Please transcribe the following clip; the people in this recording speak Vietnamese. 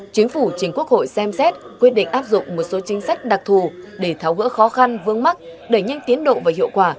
chính phủ chính quốc hội xem xét quyết định áp dụng một số chính sách đặc thù để tháo gỡ khó khăn vương mắc đẩy nhanh tiến độ và hiệu quả